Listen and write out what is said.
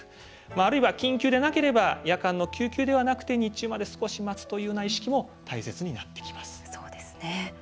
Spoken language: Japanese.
あるいは緊急ではないのであれば救急ではなくて日中まで、少し待つというような意識も大切になってきます。